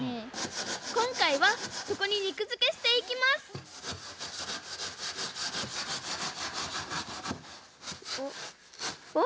今回はそこににくづけしていきますおお。